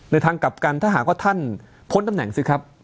ทางกลับกันถ้าหากว่าท่านพ้นตำแหน่งสิครับ